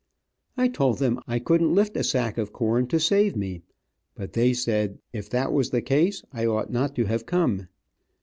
I told them I couldn't lift a sack of corn to save me, but they said if that was the case I ought not to have come.